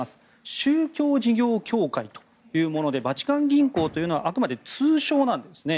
宗教事業協会というものでバチカン銀行というのはあくまで通称なんですね。